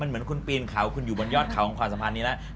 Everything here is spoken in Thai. เหมือนคุณปีนเขาคุณอยู่บนยอดเขาของความสัมพันธ์นี้แล้ว